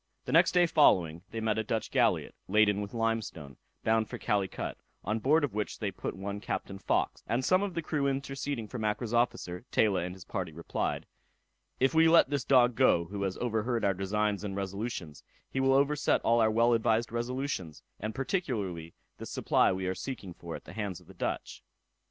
The day following they met a Dutch galliot, laden with limestone, bound for Calicut, on board of which they put one Captain Fawkes; and some of the crew interceding for Mackra's officer, Taylor and his party replied, "If we let this dog go, who has overheard our designs and resolutions, he will overset all our well advised resolutions, and particularly this supply we are seeking for at the hands of the Dutch."